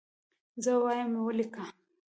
زه وایم ولیکه.